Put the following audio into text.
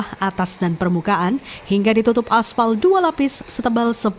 jalan berdekatan atas dan permukaan hingga ditutup asfal dua lapis setebal sepuluh dan lima cm